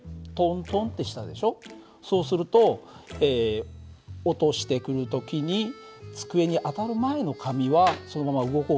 そうすると落としてくる時に机に当たる前の紙はそのまま動こうとする。